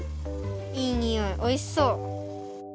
いいにおいおいしそう！